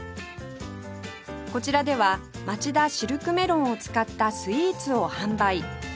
こちらではまちだシルクメロンを使ったスイーツを販売